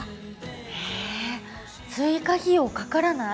へえ追加費用かからない。